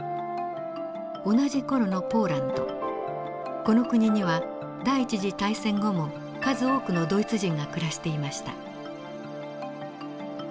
この国には第一次大戦後も数多くのドイツ人が暮らしていました。